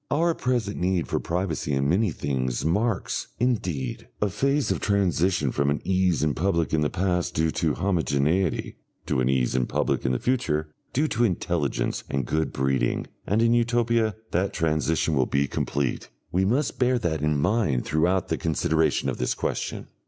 Our present need for privacy in many things marks, indeed, a phase of transition from an ease in public in the past due to homogeneity, to an ease in public in the future due to intelligence and good breeding, and in Utopia that transition will be complete. We must bear that in mind throughout the consideration of this question.